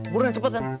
buruan cepet kan